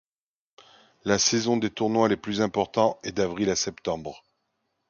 La saison des tournois les plus importants est d'avril à septembre.